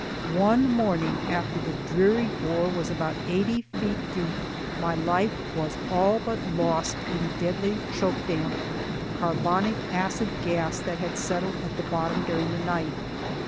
One morning, after the dreary bore was about eighty feet deep, my life was all but lost in deadly choke damp,—carbonic acid gas that had settled at the bottom during the night.